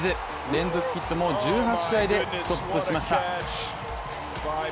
連続ヒットも１８試合でストップしました。